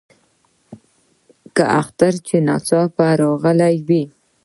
لکه اختر چې ناڅاپه راغلی وي.